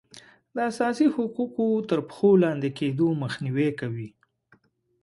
د اساسي حقوقو تر پښو لاندې کیدو مخنیوی کوي.